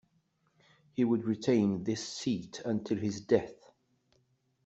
He would retain this seat until his death.